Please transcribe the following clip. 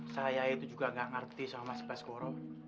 saya itu juga gak ngerti sama mas baskoro